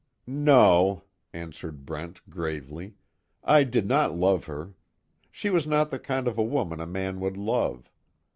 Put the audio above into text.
"No," answered Brent, gravely, "I did not love her. She was not the kind of a woman a man would love.